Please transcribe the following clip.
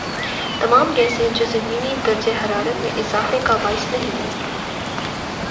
تمام گیسیں جو زمینی درجہ حرارت میں اضافے کا باعث بنیں